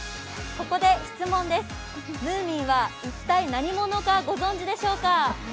ここで質問です、ムーミンは一体何者か、ご存じでしょうか？